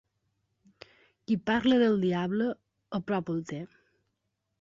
Qui parla del diable, a prop el té.